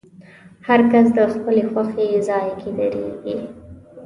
هر کس د خپلې خوښې ځای کې درېږي.